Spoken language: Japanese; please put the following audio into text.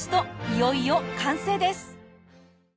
いよいよ完成です！